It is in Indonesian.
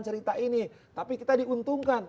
cerita ini tapi kita diuntungkan